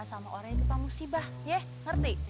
sama orang itu pamusi bah ya ngerti